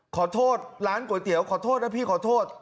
ขอโทษร้านก๋วยเตี๋ยวขอโทษนะพี่ขอโทษ